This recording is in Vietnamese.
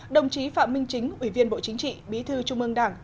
đồng chí phạm minh chính ủy viên bộ chính trị bí thư trung ương đảng